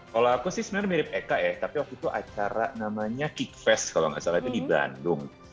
kalau aku sih sebenarnya mirip eka ya tapi waktu itu acara namanya kickfest kalau nggak salah itu di bandung